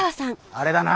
あれだな！